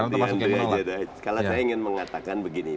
nanti yandri aja kalau saya ingin mengatakan begini